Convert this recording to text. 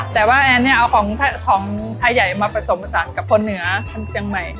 แต่ว่าแอนเนี่ยเอาของไทยใหญ่มาผสมผสานกับคนเหนือทำเชียงใหม่